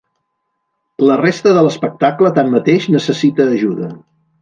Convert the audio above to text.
La resta de l'espectacle, tanmateix, necessita ajuda.